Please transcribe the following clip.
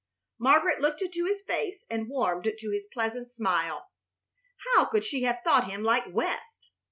Margaret looked into his face and warmed to his pleasant smile. How could she have thought him like West?